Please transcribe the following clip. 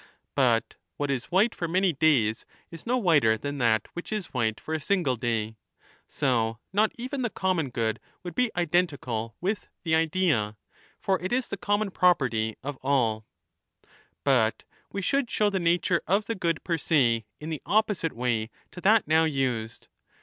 But what is white for many days is no whiter than that which is white for a single day ; f so not even the common good would be identical with 'the Idea', for it is the common property of allf.^ '5 But we should show the nature of the good per se in the opposite way to that now used.